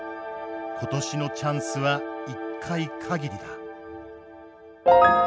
今年のチャンスは一回かぎりだ。